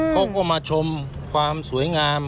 เขาก็มาชมความสวยงาม